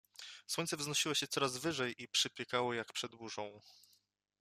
Słońce wznosiło się coraz wyżej i przypiekało jak przed burzą.